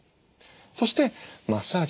そしてマッサージ。